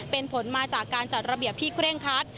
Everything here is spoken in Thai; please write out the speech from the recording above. เป็นผลมาจากการจัดระเบียบที่เคร่งคัด